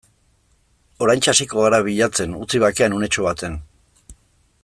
Oraintxe hasiko gara bilatzen, utzi bakean unetxo batean.